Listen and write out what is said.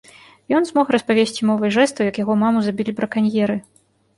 Ён змог распавесці мовай жэстаў як яго маму забілі браканьеры.